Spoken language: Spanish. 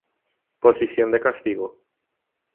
Posición de castigo.